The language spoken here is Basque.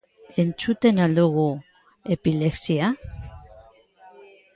Ezagutzen al dugu epilepsia?